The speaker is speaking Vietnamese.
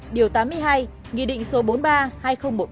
điều tám mươi hai nghị định số